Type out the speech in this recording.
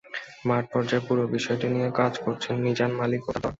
মাঠপর্যায়ে পুরো বিষয়টি নিয়ে কাজ করেছেন মিজান মালিক ও তাঁর দল।